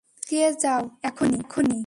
পিছিয়ে যাও, এখনই!